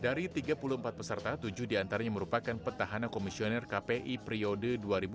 dari tiga puluh empat peserta tujuh di antaranya merupakan petahana komisioner kpi priode dua ribu enam belas dua ribu sembilan belas